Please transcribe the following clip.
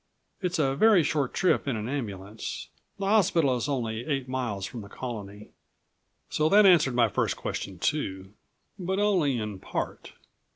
It's a very short trip in an ambulance. The hospital is only eight miles from the Colony." So that answered my first question too, but only in part.